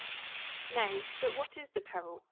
"Nay, but what is the peril?"